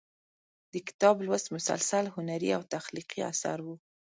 د کتاب لوست مسلسل هنري او تخلیقي اثر و.